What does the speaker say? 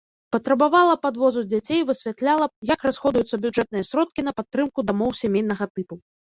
Патрабавала падвозу дзяцей, высвятляла, як расходуюцца бюджэтныя сродкі на падтрымку дамоў сямейнага тыпу.